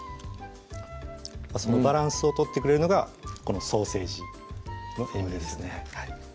そのバランスを取ってくれるのがこのソーセージの塩味ですね